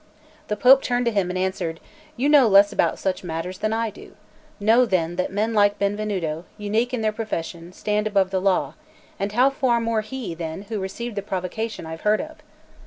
The Pope turned to him and answered: "You know less about such matters than I do. Know then that men like Benvenuto, unique in their profession, stand above the law; and how far more he, then, who received the provocation I have heard of?"